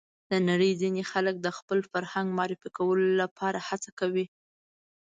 د نړۍ ځینې خلک د خپل فرهنګ معرفي کولو لپاره هڅه کوي.